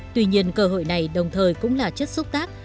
tuy nhiên cơ hội này đồng thời cũng là chất xúc tác